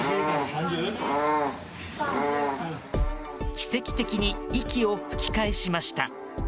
奇跡的に息を吹き返しました。